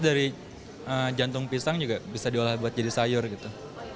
dari jantung pisang juga bisa diolah buat jadi sayur gitu